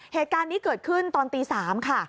เหตุการณ์นี้เกิดขึ้นตอนตี๓ค่ะ